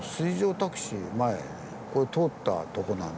タクシー前ねこれ通った所なんですよね。